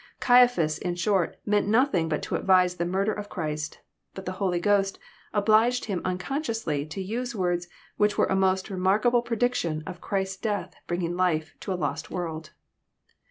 Caiaphas, in short, meant nothing but to advise the murder of Christ. But the Holy Ghost obliged him unconsciously to use words which were a most remarkable prediction of Christ's death btinging life to a lost world.